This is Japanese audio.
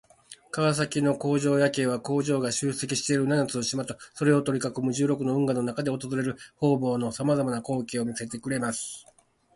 川崎の工場夜景は、工場が集積している七つの島とそれを取り囲む十六の運河の中で訪れる方々に様々な光景を見せてくれます。